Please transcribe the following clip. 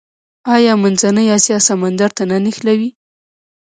آیا منځنۍ اسیا سمندر ته نه نښلوي؟